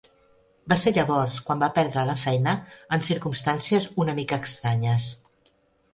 Va ser llavors quan va perdre la feina en circumstàncies una mica estranyes.